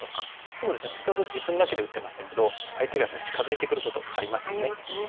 そうですね先ほど自分だけで打ってましたけど相手が近づいてくることありますよね。ありますね。